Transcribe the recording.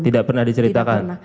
tidak pernah diceritakan